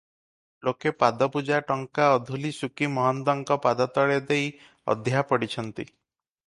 ଲୋକେ ପାଦପୂଜା ଟଙ୍କା ଅଧୂଲି ସୁକି ମହନ୍ତଙ୍କ ପାଦତଳେ ଦେଇ ଅଧ୍ୟା ପଡିଛନ୍ତି ।